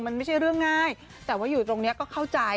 มันไม่ใช่เรื่องง่ายแต่ว่าอยู่ตรงนี้ก็เข้าใจ